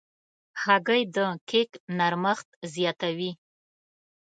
هګۍ د کیک نرمښت زیاتوي.